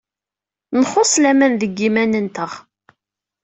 Nxuṣṣ laman deg yiman-nteɣ.